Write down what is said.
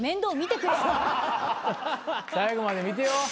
最期まで見てよ。